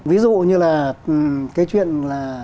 ví dụ như là cái chuyện là